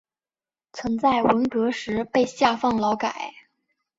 曾在文革时被下放劳改。